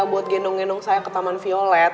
buat gendong gendong saya ke taman violet